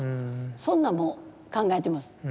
そんなんも考えてます。